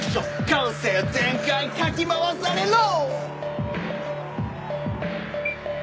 「感性全開かき回されろ！」